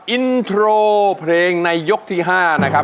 อินโทรเพลงในยกที่๕นะครับ